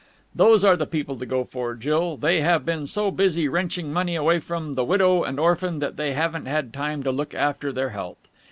Those are the people to go for, Jill. They have been so busy wrenching money away from the widow and the orphan that they haven't had time to look after their health.